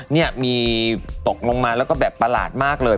เนี่ยมีตกลงมาแล้วก็แบบประหลาดมากเลย